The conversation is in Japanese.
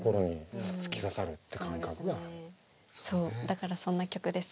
そうだからそんな曲です。